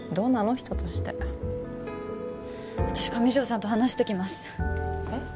人として私上条さんと話してきますえっ？